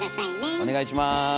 お願いします。